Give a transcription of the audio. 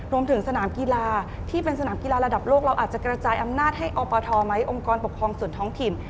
รวมถึงสนามกีฬาที่เป็นสนามกีฬาระดับโลกเราอาจจะกระจายอำนาจให้อบทไหมองค์กรปกครองส่วนท้องถิ่น